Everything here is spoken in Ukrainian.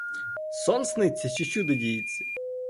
Сон сниться чи чудо діється?